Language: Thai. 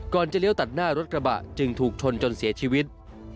จะเลี้ยวตัดหน้ารถกระบะจึงถูกชนจนเสียชีวิต